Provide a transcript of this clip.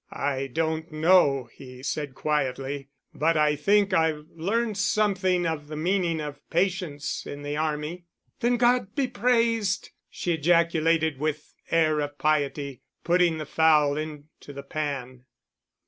"I don't know," he said quietly "but I think I've learned something of the meaning of patience in the army." "Then God be praised!" she ejaculated with air of piety, putting the fowl into the pan.